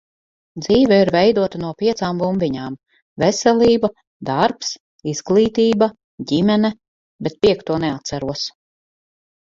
Dzīve ir veidota no piecām bumbiņām - veselība, darbs, izglītība, ģimene, bet piekto neatceros.